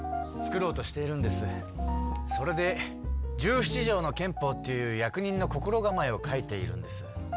それで「十七条の憲法」っていう役人の心がまえを書いているんです。